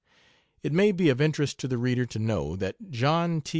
It may be of interest to the reader to know that John T.